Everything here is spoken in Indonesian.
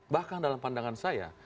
bahkan dalam pandangan saya